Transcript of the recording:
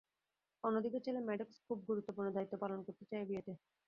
অন্যদিকে ছেলে ম্যাডক্স খুব গুরুত্বপূর্ণ দায়িত্ব পালন করতে চায় এই বিয়েতে।